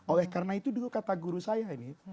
oleh karena itu dulu kata guru saya ini